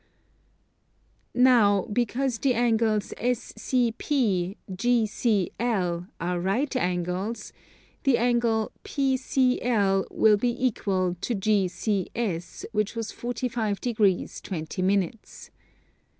Now because the angles SCP, GCL, are right angles, the angle PCL will be equal to GCS which was 45 degrees 20 minutes.